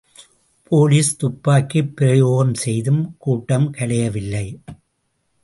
Police துப்பாக்கிப் பிரயோகம் செய்தும் கூட்டம் கலையவில்லை.